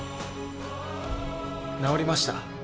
治りました。